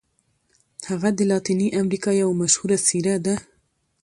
هغه د لاتیني امریکا یوه مشهوره څیره ده.